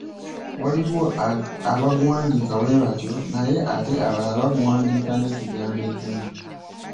Waliwo abaguwandiika bwe batyo, naye ate abalala, baguwandiika ng'ekigambo ekimu.